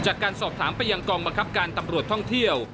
จากการสอบถามไปยังกองบังคับการตำรวจท่องเที่ยว